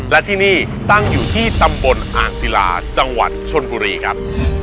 และที่นี่ตั้งอยู่ที่ตำบลอ่างศิลาจังหวัดชนบุรีครับ